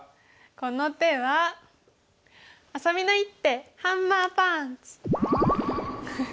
この手はあさみの一手ハンマーパンチ！